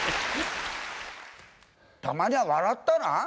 たまにゃ、笑ったら？